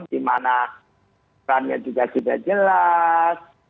di mana perannya juga sudah jelas